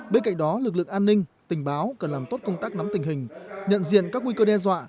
bên cạnh đó lực lượng an ninh tình báo cần làm tốt công tác nắm tình hình nhận diện các nguy cơ đe dọa